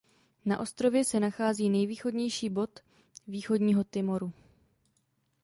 Na ostrově se nachází nejvýchodnější bod Východního Timoru.